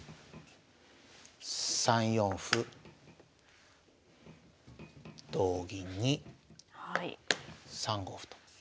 ３四歩同銀に３五歩と。